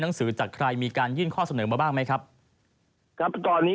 สือจากใครมีการยื่นข้อเสนอมาบ้างไหมครับครับก่อนนี้